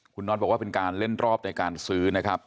คุณน็อตบอกว่าเป็นการเล่นรอบในการซื้อนะครับ